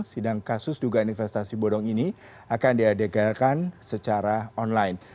sidang kasus dugaan investasi bodong ini akan diadegarkan secara online